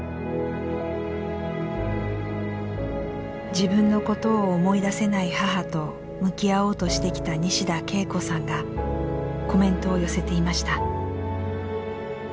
自分のことを思い出せない母と向き合おうとしてきた西田恵子さんがコメントを寄せていました。